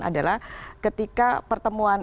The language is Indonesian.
adalah ketika pertemuan